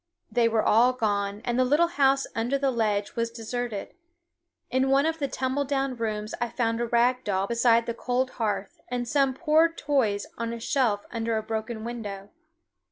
They were all gone, and the little house under the ledge was deserted. In one of the tumble down rooms I found a rag doll beside the cold hearth, and some poor toys on a shelf under a broken window.